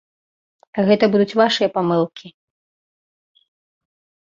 Гэта будуць вашыя памылкі.